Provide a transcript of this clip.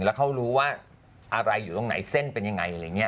แล้วเขารู้ว่าอะไรอยู่ตรงไหนเส้นเป็นยังไงอะไรอย่างนี้